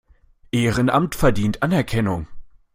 Ehrenamt verdient Anerkennung.